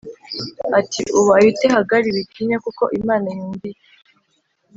ati Ubaye ute Hagari Witinya kuko Imana yumviye